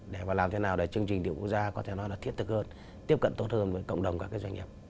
để mà làm thế nào để chương trình điện quốc gia có thể nói là thiết thực hơn tiếp cận tốt hơn với cộng đồng các cái doanh nghiệp